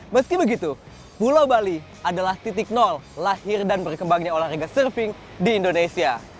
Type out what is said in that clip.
meski begitu pulau bali adalah titik nol lahir dan berkembangnya olahraga surfing di indonesia